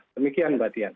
demikian mbak dian